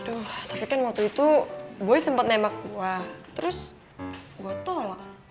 aduh tapi kan waktu itu gue sempat nembak gue terus gue tolak